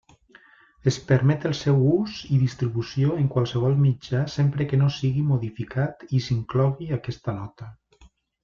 Es permet el seu ús i distribució en qualsevol mitjà sempre que no sigui modificat i s'inclogui aquesta nota.